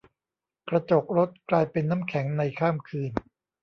กระจกรถกลายเป็นน้ำแข็งในข้ามคืน